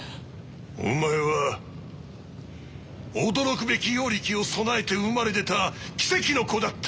お前は驚くべき妖力を備えて生まれ出た奇跡の子だった。